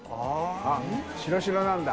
あっ白白なんだ。